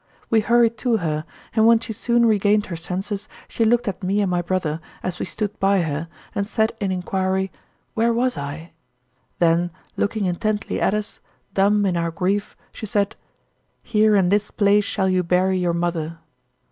We hurried to her, and when she soon regained her senses, she looked at me and my brother as we stood by her, and said, in inquiry, "Where was I?" Then looking intently at us, dumb in our grief, she said, "Here in this place shall you bury your mother."